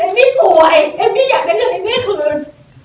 พี่ป่วยเอมมี่อยากได้เงินเอมมี่คืน